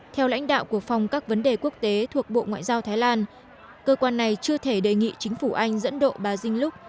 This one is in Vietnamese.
theo lãnh đạo của phong các vấn đề quốc tế thuộc bộ ngoại giao thái lan cơ quan này chưa thể đề nghị chính phủ anh dẫn đổ bà dinh lúc